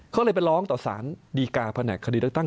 เขาเลยไปร้องต่อสารดีการ์ภาแหนกคดีตั้ง